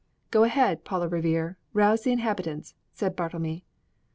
"Go ahead, Paula Revere; rouse the inhabitants," said Bartlemy.